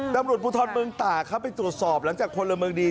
ดำรุดพูทรเมืองต่าเข้าไปตรวจสอบหลังจากคนละเมืองดี